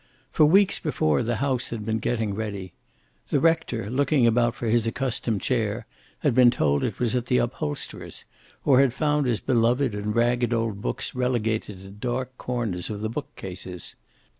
For weeks before the house had been getting ready. The rector, looking about for his accustomed chair, had been told it was at the upholsterer's, or had found his beloved and ragged old books relegated to dark corners of the bookcases.